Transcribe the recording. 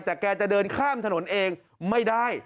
แต่แกจะเดินข้ามถนนเองไม่ได้